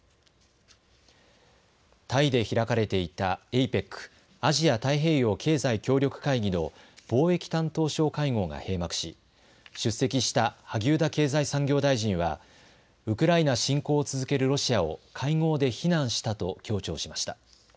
タイで開かれていたＡＰＥＣ・アジア太平洋経済協力会議の貿易担当相会合が閉幕し出席した萩生田経済産業大臣はウクライナ侵攻を続けるロシアを会合で非難したと強調しました。